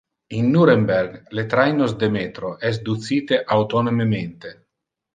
In Nuremberg le trainos de metro es ducite autonomemente.